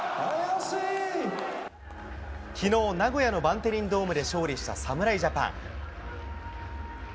きのう、名古屋のバンテリンドームで勝利した侍ジャパン。